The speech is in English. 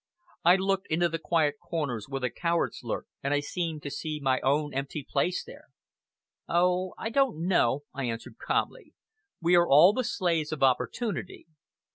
I looked into the quiet corners where the cowards lurked, and I seemed to see my own empty place there. "Oh! I don't know," I answered calmly. "We are all the slaves of opportunity.